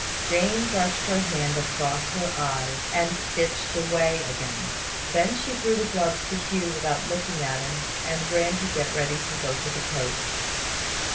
Jane brushed her hand across her eyes, and stitched away again. Then she threw the gloves to Hugh without looking at him, and ran to get ready to go to the coach.